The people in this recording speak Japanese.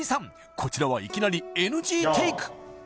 こちらはいきなりＮＧテイク